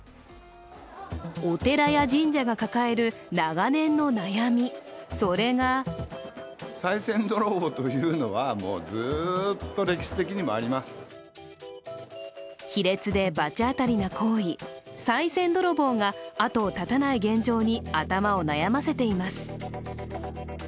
お寺や神社が抱える長年の悩み、それが卑劣で、罰当たりな行為さい銭泥棒があとを絶たない現状に頭を悩ませています。